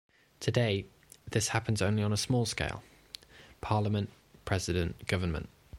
Today, this happens only on a small scale: parliament - president - government.